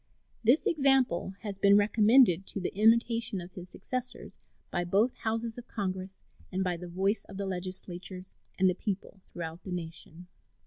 This example has been recommended to the imitation of his successors by both Houses of Congress and by the voice of the legislatures and the people throughout the nation.